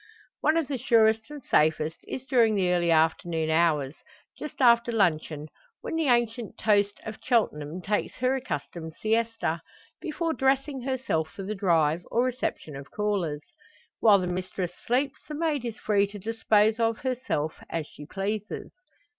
One of the surest and safest is during the early afternoon hours, just after luncheon, when the ancient toast of Cheltenham takes her accustomed siesta before dressing herself for the drive, or reception of callers. While the mistress sleeps the maid is free to dispose of herself, as she pleases.